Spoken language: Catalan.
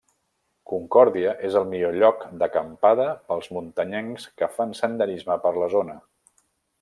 Concòrdia és el millor lloc d'acampada pels muntanyencs que fan senderisme per la zona.